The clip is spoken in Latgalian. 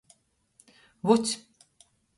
Vuts.